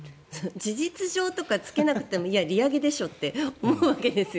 事実上とかつけなくても利上げでしょって思うんですよ。